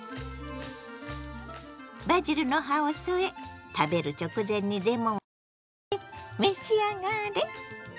バジルの葉を添え食べる直前にレモンをかけて召し上がれ！